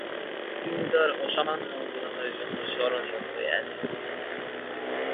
তিনি তার অসামান্য অবদানের জন্য স্মরণীয় হয়ে আছেন।